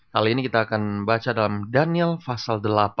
hal ini kita akan baca dalam daniel fasal delapan